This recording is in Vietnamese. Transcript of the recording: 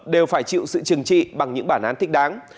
đều phải chịu sự trừng trị bằng những bản án thích đáng